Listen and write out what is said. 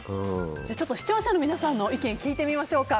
視聴者の皆さんの意見も聞いてみましょうか。